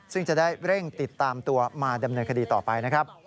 ซึ่งจะได้เร่งติดตามตัวมาดำเนินคดีต่อไปนะครับ